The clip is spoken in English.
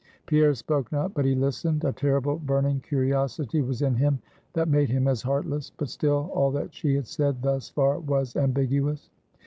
Pierre spoke not; he but listened; a terrible, burning curiosity was in him, that made him as heartless. But still all that she had said thus far was ambiguous.